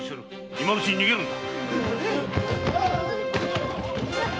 今のうちに逃げるんだ！